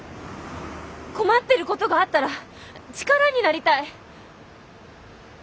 困ってることがあったら力になりたい。